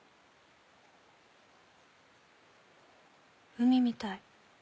海みたい。